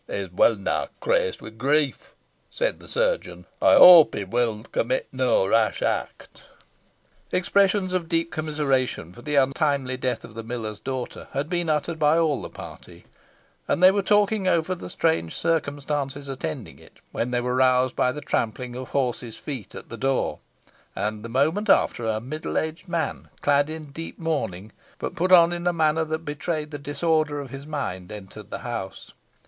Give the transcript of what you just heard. "He is wellnigh crazed with grief," said the chirurgeon. "I hope he will commit no rash act." Expressions of deep commiseration for the untimely death of the miller's daughter had been uttered by all the party, and they were talking over the strange circumstances attending it, when they were roused by the trampling of horses' feet at the door, and the moment after, a middle aged man, clad in deep mourning, but put on in a manner that betrayed the disorder of his mind, entered the house.